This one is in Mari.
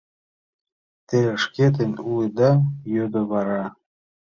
— Те шкетын улыда? — йодо вара.